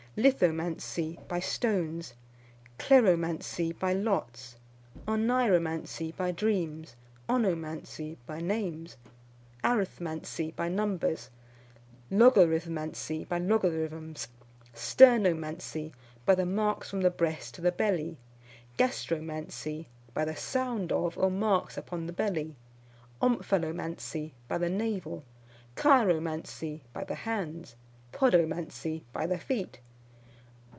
Lithomancy, by stones. Kleromancy, by lots. Oneiromancy, by dreams. Onomancy, by names. Arithmancy, by numbers. Logarithmancy, by logarithms. Sternomancy, by the marks from the breast to the belly. Gastromancy, by the sound of, or marks upon the belly. Omphalomancy, by the navel. Chiromancy, by the hands. Podomancy, by the feet.